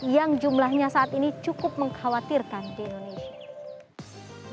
yang jumlahnya saat ini cukup mengkhawatirkan di indonesia